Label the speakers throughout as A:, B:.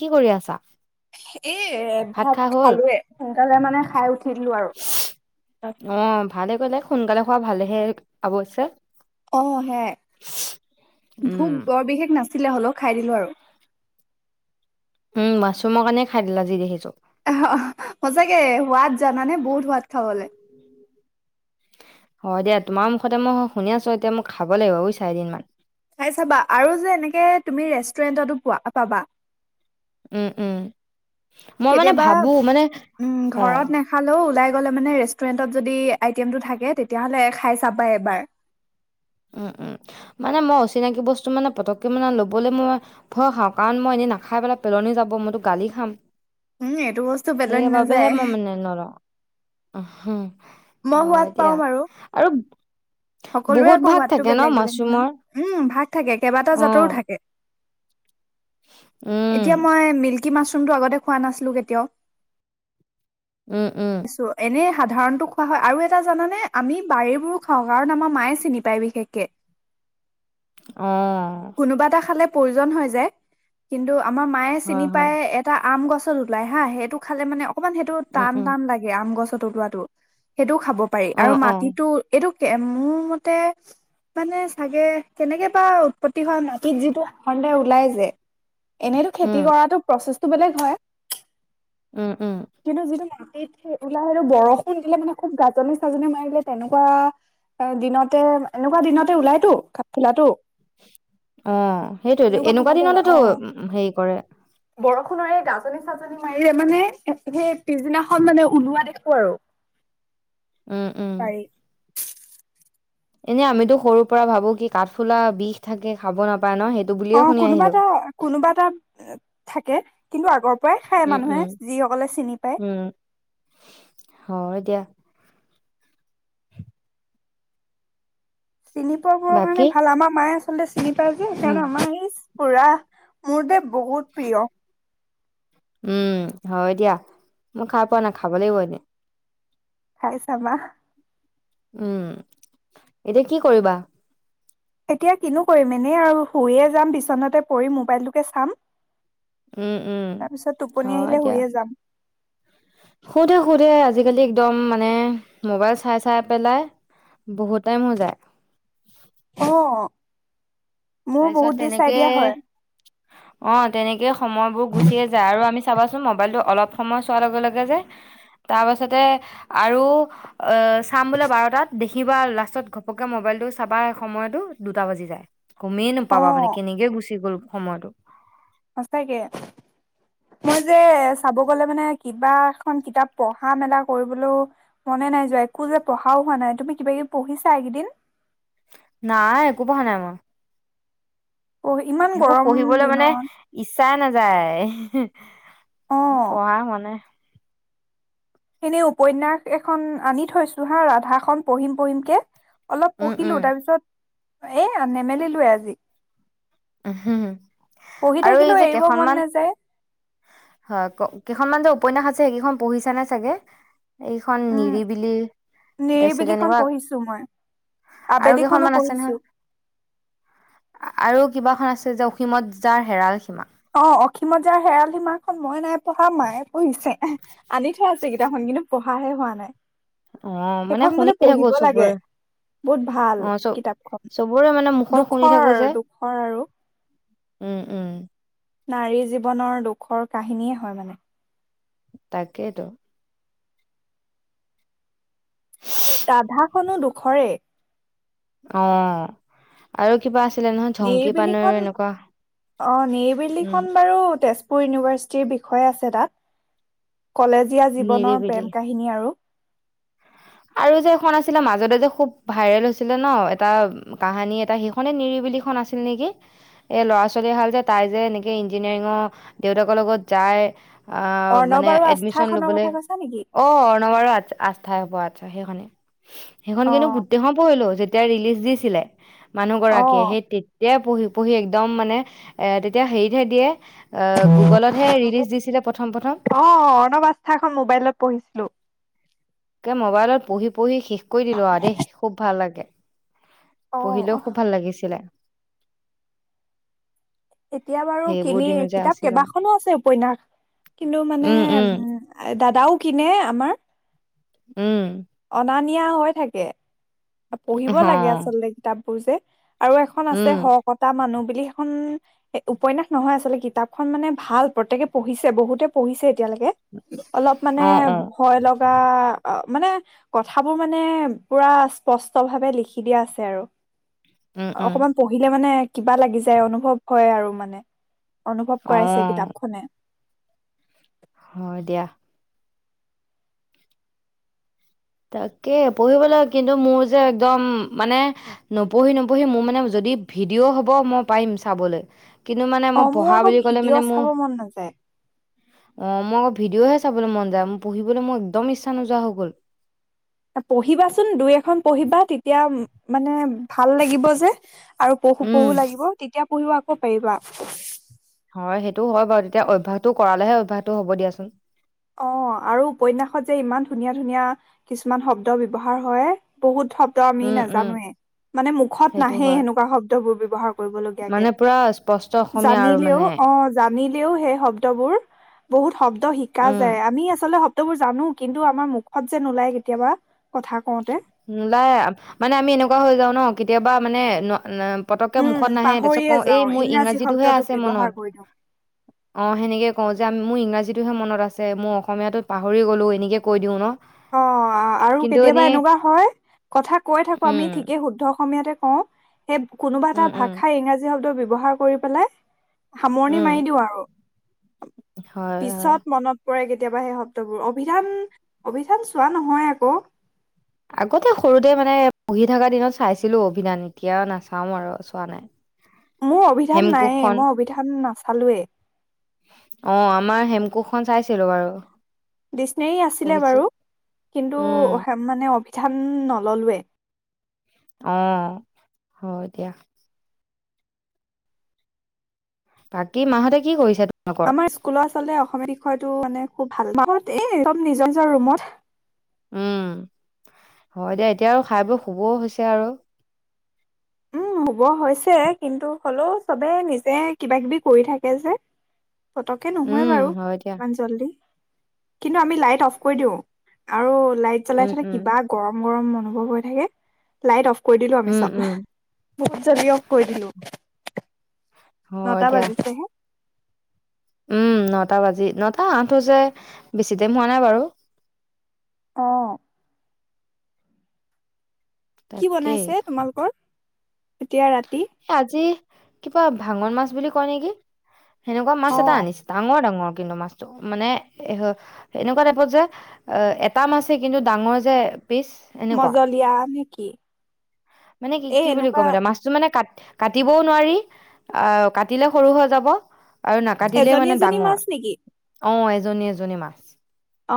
A: কি কৰি আছা?
B: এ' ভাত
A: খাই হ'ল?
B: খালোয়ে। তেলে মানে খাই উঠি উঠিলো আৰু।
A: পৰিলে সোনকালে খোৱা ভালহে আৱশ্যে।
B: অহ, সেয়াই
A: উম,
B: ভোক বৰ বিশেষ নাছি চিলে হ'লেও খাই দিলোঁ আৰু।
A: উম, মাছৰুমৰ কাৰণে খাই দিলা যি দেখিছো।
B: [inaudible] সঁচাকে সোৱাদ জানানে বহুত সোৱাদ খাবলে।
A: হয়, দিয়া তোমাৰ মুখতে মই শুনি আছো এতিয়া মই খাব লাগিব বুইছা এদিনমান।
B: খাই চাবা আৰু যে, এনেকে তুমি ৰেষ্টুৰেণ্টতো পোৱা পাবা।
A: উম, উম, মই মানে
B: কেতিয়াবা
A: ভাবো মানে
B: উম
A: অ',
B: ঘৰত নেখালেও ওলাই গলে মানে ৰেষ্টুৰেণ্টত যদি আইটেমটো থাকে তেতিয়াহলে খাই চাবাই এবাৰ।
A: উম উম, মানে মই অচিনাকি বস্তু মানে পতককৈ মানে লবলৈ মই ভয় খাওঁ কাৰণ মই এনেই নাখাই পেলাই পেলনি যাব মইতো গালি খাম।
B: উম এইটো বস্তু পেলনি নাযায়
A: সেইবাবেহে মই মানে নলওঁ,
B: মই
A: অ
B: সোৱাদ
A: এতিয়া
B: পাওঁ বাৰু
A: আৰু
B: সকলোৰে
A: বহুত
B: আকৌ
A: ভাগ
B: সোৱাদ টো
A: থাকে ন
B: বেলেগ -বেলেগ
A: মাছৰুমৰ?
B: নহয়, উম ভাগ থাকে কেইবাটা
A: অ',
B: জাতৰো থাকে।
A: উম,
B: এতিয়া মই মিল্কী মাছৰুমটো আগতে খোৱা নাছিলোঁ কেতিয়াও।
A: উম, উম।
B: ছো এনে ভাব উদাহৰণটো খোৱা হয় আৰু এটা জানানে আমি বাৰীবোৰো খাওঁ। কাৰণ আমাৰ মায়ে চিনি পায় বিশেষকে।
A: অহ।
B: কোনোবা এটা খালে প্ৰয়োজন হৈ যায় কিন্তু আমাৰ মায়ে
A: হয়,
B: চিনি
A: হয়,
B: পায় এটা আম গছত ওলাই হাঁ সেইটো খালে মানে অ অকণমান সেইটো
A: উম,
B: টান
A: উম,
B: টান লাগে আম গছত লোৱাটো সেইটো খাব পাৰি আৰু
A: অ', অ',
B: মাটিতো এইটো মোৰ মতে, মানে চাগে কেনেকে বা উৎপত্তি হোৱা মাটিত যিটো স সন্দেহ ওলাই যে। এনেইতো খেতি
A: উম,
B: কৰাটো প্ৰচেস তটো বেলেগ হয়।
A: উম, উম,
B: কিন্তু যিটো ম সেইটো, ওলাই আহিলো বৰষুণ দিলে মানে খুব গাজনি চাজনি মাৰিলে তেনেকুৱা এ দিনতে, এনেকুৱা দিনতে ওলাইতো, খা খোলাটো
A: অ সেইটোৱেতো, এনেকুৱা
B: সময়তে ওলাই
A: দিনতেতো
B: অ
A: হেৰি কৰে।
B: বৰষুণৰ এই গাজনি চাজনি মাৰিলে মানে, সেই পিছদিনাখন মানে ওলোৱা দেখো আৰু।
A: উম, উম,
B: পাৰি।
A: এনে আমিতো সৰুৰ পৰা ভাবো কি কাঠফুলা বিষ থাকে খাব নাপ
B: অ কোনোবা এটা কোনোবা থাকে কিন্তু আগৰ প্ৰায় খায়
A: উম,
B: মানুহে,
A: উম,
B: যিসকলে চিনি পায়।
A: উম, হয় দিয়া,
B: চিনি পোৱাবোৰৰ কাৰণে
A: বাকী,
B: ভাল আমাৰ মায়ে পুলিচ চিনি পাই যে
A: উম,
B: সেইকাৰণে আমাৰ আহিচ পুৰা মোৰ দে বহুত প্ৰিয়।
A: উম হয় দিয়া মই খাই পোৱা নাই খাব লাগিব এদিন।
B: খাইছাবা
A: উম এতিয়া কি কৰিবা।
B: এতিয়া কিনো কৰিম এনেই আৰু শুইয়ে যাম বিচনাতে পৰি মোবাইলটোকে চাম।
A: উম উম
B: তাৰপিছত টোপনি
A: অ
B: আহিলে
A: এতিয়া
B: শুইয়ে যাম
A: সোধে সোধে। আজিকালি একদম মানে মোবাইল চাই চাই পেলাই বহুত টাইম হৈ যায়।
B: অহঁ। মোৰ
A: তাৰপিছত
B: বহুত দেৰি চাই দিয়া
A: তেনেকে
B: হয়।
A: অ তেনেকে সময়বোৰ গুচিয়ে যায় আৰু আমি চাবাঁছোন মবাইলটো অলপ সময় চোৱাৰ লগে লগে যে তাৰপাছতে আৰু অহঁ, চাম বোলে বাৰটাত দেখি কিবা লাষ্টত ঘপককে মোবাইলটো চাবা সময়তো দুটা বাজি যায়। গমেই নাপাবা মানে
B: অ'
A: কেনেকে গুচি গ'ল সময়টো
B: সচাকে মই যে চাব গলে মানে কিবা এখন কিতাপ পঢ়া মেলা কৰিবলৈ মনে নাই যোৱা একো যে পঢ়াও হোৱা নাই তুমি কিবা কিবি পঢ়িছা এইকেইদিন?
A: নাই একো পঢ়া নাই মই-
B: পঢ়ি ইমান
A: একো
B: গৰম
A: পঢ়িবলৈ মানে
B: দিনত
A: ইচ্ছাই নাযায়। হেঁ
B: অ'
A: পঢ়া হোৱা নাই।
B: এনেই উপন্যাস এখন আনি থৈছো হাঁ ৰাধাখন পঢ়িম পঢ়িম কে অলপ
A: উম, উম,
B: পঢ়িলো তাৰপিছত এ নেমেলিলো এ আজি।
A: উমহোঁ
B: পঢ়ি
A: আৰু এই
B: থাকিলেও
A: যে
B: এৰিব মন
A: কেইখনমান
B: নাযায়
A: হয় কেইখনমান যে উপন্যাস আছে সেইকেইখন পঢ়িছা নে চাগে এইখন
B: উম
A: নিৰিবিলি তাৰপাছত
B: নিৰিবিলিখন
A: এনেকুৱা
B: পঢ়িছো মই
A: আৰু
B: আবেলিখনো
A: কেইখনমান আছে
B: পঢ়িছো
A: নহয় আৰু কিবা এখন আছে যে অসীমত যাৰ হেৰাল সীমা
B: অ অসীমত যায় হেৰাল সীমা খন মই নাই পঢ়া মায়ে পঢ়িছে আনি থৈ দিয়া আছে কিতাপখন কিন্তু পঢ়াহে হোৱা নাই।
A: অ মানে
B: সেইখন বোলে
A: শুনি থাকো
B: পঢ়িব লাগে
A: চবৰে
B: বহুত ভাল
A: অ চব
B: কিতাপখন
A: চবৰে মানে মুখত শুনি
B: দুখৰ
A: থাকো যে
B: দুখৰ আৰু
A: উম উম।
B: নাৰী জীৱনৰ দুখৰ কাহিনীয়ে হয় মানে
A: তাকেইতো,
B: ৰাধা খনো দুখৰে
A: অ আৰু কিবা আছে
B: নিৰিবিলি খন অ
A: উম
B: নিৰিবিলিখন বাৰু তেজ। তেজপুৰ পুৰ ইউনিভাৰ্চিটিৰ বিষয়ে আছে তাত। কলেজীয়া জীৱনৰ
A: নিৰিবিলি
B: প্ৰেম কাহিনী আৰু।
A: আৰু যে এখন আছিলে মাজতে যে খুব ভাইৰেল হৈছিলে ন এটা কাহানী এটা সেইখনে নিৰিবিলিখন আছিল নেকি এই ল'ৰা ছোৱালী হাল যে তাই যে এনেকে ইঞ্জিনিয়াৰিঙৰ দেউতাকৰ লগত যায়। আ
B: অৰ্ণৱ
A: মানে
B: আৰু
A: এডমিশ্যন
B: আস্থাখনৰ
A: লবলৈ
B: কথা কৈছা নেকি
A: অ অৰ্ণৱ ৰ আস্থাই হবা আ। সেইখনে। সেইখন কিন্তু
B: অ
A: গোটেইখন পঢ়িলো যে। এতিয়া ৰিলিজ দিছিলে। মানুহ গৰাকীয়ে
B: অ
A: সেই তেতিয়া। পঢ়ি পঢ়ি একদম মানে এ তেতিয়া হেৰিতহে দিয়ে। আ গুগলতহে ৰিলিজ দিছিলে প্ৰথম প্ৰথম।
B: অ অৰ্ণৱ আস্থা এখন মোবাইলত পঢ়িছিলো।
A: তাকে মবাইলত পঢ়ি পঢ়ি শেষ কৰি দিলো আৰু দে খুব ভাল লাগে।
B: অ
A: পঢ়িলেও খুব ভাল লাগিছিলে।
B: এতিয়া বাৰু
A: সেইবোৰ
B: কিনি
A: দিনো যে
B: কিতাপ
A: আছিল আৰু
B: কেইবাখনো আছে উপন্যাস কিন্তু মানে উম দাদাও কিনে আমাৰ।
A: উম।
B: অনা নিয়া হৈ থাকে। পঢ়িব
A: হ
B: লাগে আচলতে কিতাপ। বোৰ যে। আৰু এখন আছে
A: উম
B: সতা মানুহ। তিনি খন। এ উপন্যাস নহয় আচলতে কিতাপখন মানে ভাল প্ৰতেকে পঢ়িছে বহুতে পঢ়িছে। এতিয়ালৈকে অলপ মানে
A: অ অ
B: ভয় লগা। অ মানে কথাবোৰ মানে পোৰা স্পষ্ট ভাৱে লিখি দিয়া আছে আৰু।
A: উম উম
B: অকমান পঢ়িলে মানে। কিবা লাগি যায় অনুভৱ। কয় আৰু মানে। অনুভৱ
A: অ
B: কৰাইছে কিতাপখনে।
A: হয় দিয়া। তাকে পঢ়িবলৈ কিন্তু মোৰ যে একদম মানে নপঢ়ি নপঢ়ি মোৰ মানে যদি ভিডিঅ' হব মই পাৰিম চাবলৈ। কিন্তু মানে
B: অ
A: মই
B: মোৰ
A: পঢ়া
B: আকৌ
A: বুলি কলে
B: ভিডিঅ'
A: মানে
B: চাব
A: মোৰ
B: মন নাযায়
A: অ মই আকৌ ভিডিঅ'হে চাবলৈ মন যায় মোৰ পঢ়িবলৈ মোৰ একদম ইচ্ছা নোযোৱা হৈ গ'ল।
B: পঢ়িবাচোন দুই এখন পঢ়িবা তেতিয়া মানে ভাল লাগিব যে। আৰু পহো পহো
A: উম
B: লাগিব তেতিয়া। পঢ়িব আকৌ পাৰিবা।
A: হয় সেইটো হয় বাৰু তেতিয়া অভ্যয়াসটো কৰালেহে অভ্যয়াটো হব দিয়াচোন।
B: অ আৰু উপন্যাসত যে ইমান ধুনীয়া ধুনীয়া কিছুমান শব্দ ব্যৱহাৰ হয় বহুত। শব্দ আমি
A: উম উম
B: নাজানোএ মানে মুখত
A: সেইটো
B: নাহে
A: হয়
B: এনেকুৱা শব্দবোৰ। বসাগ। কৰিব
A: মানে
B: লগীয়া
A: পুৰা স্পষ্ট অসমীয়া আৰু
B: জানিলেও
A: মানে
B: অ জানি। ও সেই শব্দবোৰ বহুত শব্দ শিক। শিকা
A: উম
B: যায় আমি আচলতে। বোৰ জানো কিন্তু আমাৰ মুখত যে নোলায় কেতিয়াবা। কথা কওঁতে
A: নলাই মানে আমি এনেকুৱা হৈ যাও ন কি। কেতিয়াবা মানে নুৱা না। পতককে
B: উম
A: মুখত নাহে তাৰপিছত
B: পাহৰিয়ে
A: কওঁ এই
B: যাওঁ
A: মোৰ
B: ইংৰাজী
A: ইংৰাজীটোহে
B: শব্দটো
A: আছে
B: ব্যৱহাৰ
A: মনত
B: কৰি দিওঁ
A: অ সেনেকে কওঁ যে মোৰ ইংৰাজী। যিটোহে মনত আছে মই অসমীয়াটোত পাহৰি গ'লো এনেকে কৈ দিওঁ ন।
B: অ আৰু
A: কিন্তু
B: কেতিয়াবা
A: এনেই
B: এনেকুৱা। হয় কথা কৈ থাকো আমি
A: উম
B: ঠিকে শুদ্ধ। অসমীয়াতে কওঁ। সেই কোনোবা
A: উম
B: এটা
A: উম
B: ভাষা ইংৰাজী শব্দ বিব ব্যৱহাৰ কৰি পেলাই। সামৰণি
A: উম
B: মাৰি দিওঁ আৰু।
A: হয় হয়
B: পিছত মনত পৰে কি। কেতিয়াবা সেই শব্দবোৰ অভিধান। অভিধান চোৱা নহয় আকৌ।
A: আগতে সৰুতে মানে পঢ়ি থকা দিনত চাইছিলো অভিধান এতিয়াও নাচাও আৰু চোৱা নাই।
B: মোৰ অভিধান নায়ে
A: হেমকোষখন
B: মই অভিধান নাচালোৱেই।
A: কুখন চাইছিলো বাৰু।
B: ডিচনেৰী আছিলে
A: পঢ়িছো
B: বাৰু কিন্তু
A: উম
B: মানে অভি। ধান নললোৱে।
A: অ হয় দিয়া। বাকী মাহতে কি কৰিছে। তোমালোকৰ
B: আমাৰ স্কুলত আচলতে অসমীয়া বিষয়টো মানে খুব। ভাল মত এইদম নিজৰ নিজৰ ৰুমত।
A: উম হয় দেিয় এতিয়া আৰু খাই বোৰ শুবও হৈছে আৰু।
B: উম শুব হৈছে কিন্তু হলেও চবে নিজে কিবা কিবি কৰি থাকে যে। পতকে নহয়
A: উম
B: বাৰু
A: হয় দিয়া
B: ইমান জল্দি। কিন্তু আমি লাইট অফ কৰি দিওঁ আৰু লাইট জ্বলাই
A: উম
B: থ'লে
A: উম
B: কিবা গৰম। গৰম অনুভৱ হৈ থাকে লাইট অফ। কৈ দিলো আমি
A: উম
B: চব।
A: উম
B: বহুত জলদি অফ কৰি দিলো।
A: হয়
B: নটা
A: দিয়া
B: বাজিছেহে।
A: উম নটা বাজি, নটা আঠ হৈছে বেছি টাইম হোৱা নাই বাৰু।
B: অ। কি
A: তাকেই
B: বনাইছে তোমালোকৰ এতিয়া ৰাতি?
A: এ আজি কিবা ভাঙন মাছ বুলি কয় নেকি? সেনেকোৱা মাছ
B: অ
A: এটা আনিছে, ডাঙৰ ডাঙৰ। কিন্তু মাছটো মানে এ এনেকোৱা টাইপত যে এটা মাছেই কিন্তু ডাঙৰ যে পিচ এনেকুৱা
B: মজলীয়া নেকি?
A: মানে কি কি বুলি ক'ম এতিয়া মাছটো মানে কাট কাটিবও নোৱাৰি, আহ কাটিলে সৰু হৈ যাব। আৰু নাকাটিলে
B: এজনী
A: মানে
B: এজনী
A: ডাঙৰ।
B: মাছ নেকি?
A: অ, এজনী এজনী মাছ।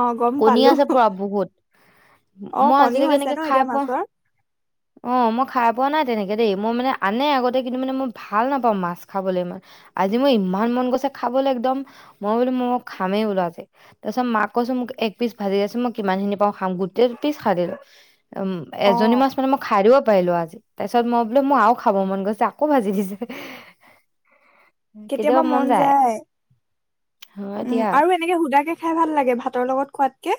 B: অ গম
A: কণী
B: পালো
A: আছে পুৰা বহুত,
B: অ
A: মই
B: কণী
A: আজিলৈকে
B: হৈছে
A: এনেকে
B: ন
A: খাই
B: এতিয়া
A: পোৱা,
B: মাছৰ
A: অ মই খাই পোৱা নাই তেনেকে দেই, মই মানে আনে আগতে কিন্তু মানে মই ভাল নাপাওঁ মাছ খাবলৈ ইমান, আজি মই ইমান মন গৈছে খাবলৈ একদম মই বোলো মই খামেই ওলা যে তাৰ পিছত মাক কৈছো মোক এক পিচ ভাজি দেছোন মই কিমান খিনি পাওঁ খাম গোটেই পিচ খাই দিলো। উম,
B: অ
A: এজনী মাছ মানে মই খাই দিব পাইলো আজি, তাৰ পিছত মই বোলো মোৰ আৰু খাব মন গৈছে আকৌ ভাজি দিছে।
B: কেতিয়াবা মন যায়,
A: হয়
B: উম
A: দিয়া
B: আৰু এনেকে সুদাকে খাই ভাল লাগে ভাল তৰ লগত খোৱাতকে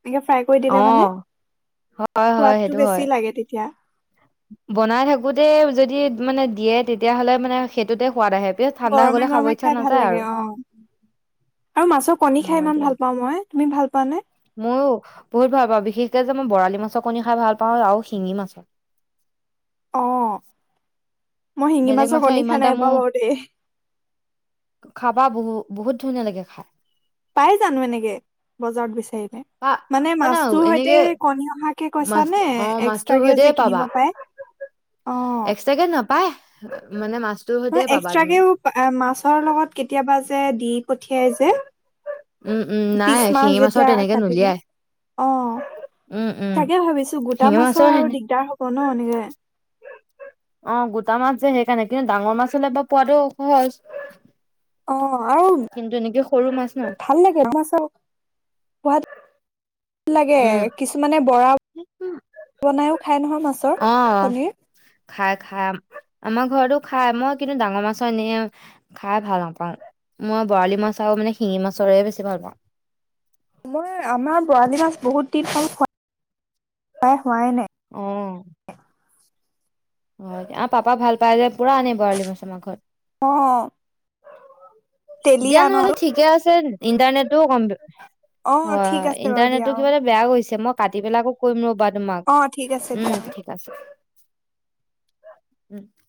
B: এনেকে ফ্ৰাই কৰি দিলে
A: অ,
B: মানে
A: হয় হয়
B: সোৱাদটো
A: সেইটো
B: বেছি
A: হয়,
B: লাগে তেতিয়া
A: বনাই থাকোতে যদি মানে দিয়ে তেতিয়াহলে মানে সেইটোতে সোৱাদ আহে পিছত ঠাণ্ডা হৈ গ'লে
B: গৰমে
A: খাব
B: গৰমে
A: ইচ্ছা
B: খাই ভাল
A: নাযায় আৰু।
B: লাগে অ, আৰু মাছৰ কণী খাই
A: অ',
B: ইমান
A: দিয়া।
B: ভাল পাওঁ মই। তুমি ভাল পোৱা নে?
A: ময়ো বহুত ভাল পাওঁ বিশেষকে যে মই বৰালি মাছৰ কণী খাই ভাল পাওঁ আৰু শিঙি মাছৰ।
B: অ। মই শিঙি
A: বেলেগ
B: মাছৰ কণী
A: ইমান
B: খাই
A: এটা
B: নাইপোৱা
A: মোৰ
B: বাৰু দেই।
A: না বহু বহুত ধুনীয়া লাগে খাই।
B: পাই জানো এনেকে, বজাৰত বিচাৰি।
A: বা
B: মানে
A: অ ন
B: মাছটোৰ সৈতে
A: এনেকে
B: কণী অহাকে কৈছা
A: মাছ
B: নে
A: অ মাছটোৰ
B: এক্সট্ৰাকেও
A: সৈতে
B: যে কিনিব
A: পাবা
B: পাই, অ
A: এক্সট্ৰাকে নাপায় মানে মাছটোৰ সৈতে
B: নহয়
A: পাবা তুমি
B: এক্সট্ৰাকেও মাছৰ লগত কেতিয়াবা যে যে দি পঠিয়াই যে।
A: উম উম নাই
B: পিছ মাছ
A: শিঙি মাছৰ
B: যেতিয়া
A: তেনেকে
B: কাটিলে,
A: নুলিয়াই
B: অ
A: উম উম
B: তাকে ভাবিছো গোটা
A: শিঙি
B: মাছৰ আৰু
A: সেনে
B: দিগদাৰ হ'ব ন এনেকে।
A: অ গোটা মাছ যে সেইকাৰণে কিন্তু ডাঙৰ মাছ হলেবা পোৱাটো সহজ।
B: অহ', আৰু
A: কিন্তু এনেকে সৰু মাছ ন
B: [inaudible] ভাল লাগে [inaudible] সোৱাদ লাগে
A: উম
B: কিছুমানে বৰা [inaudible] বনাইও খাই নহয় মাছৰ
A: অ
B: পনীৰ।
A: খাই- খাই আমাৰ ঘৰতো খাই মই কিন্তু ডাঙৰ মাছৰ এনে খাই ভাল নাপাওঁ। মই বৰালি মাছ আৰু মানে শিঙি মাছৰে বেছি ভাল পাওঁ।
B: মই আমাৰ বৰালি মাছ বহুত দিন হল খোৱা [unintelligible] হোৱাই নাই।
A: অ', আৰু পাপা ভাল পায় যে, পুৰা আনে বৰালি মাছ আমাৰ ঘৰত।
B: অ',
A: দিয়া
B: তেলিয়া ন
A: নহলে ঠিকে আছে। ইণ্টাৰনেটো কম হয়
B: অ ঠিক
A: -হয়
B: আছে বাৰু দিয়া
A: ইণ্টাৰনেটটো
B: অ
A: কিবা এটা বেয়া গৈছে মই ভাটি বেলাকো কৰিম ৰ'বাত। তোমাক
B: অ ঠিক আছে
A: উম
B: দিয়া অ
A: ঠিক আছে। [inaudible]